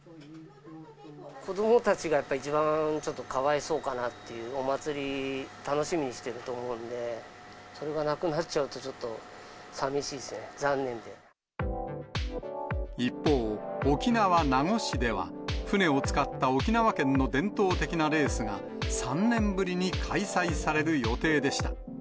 子どもたちがやっぱり、一番ちょっとかわいそうかなっていう、お祭り、楽しみにしてると思うんで、それがなくなっちゃうと、ちょっとさみしいですね、一方、沖縄・名護市では、船を使った沖縄県の伝統的なレースが３年ぶりに開催される予定でした。